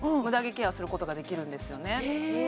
ケアすることができるんですよね